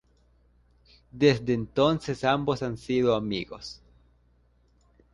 Desde entonces ambos han sido amigos.